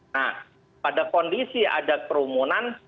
nah pada kondisi ada kerumunan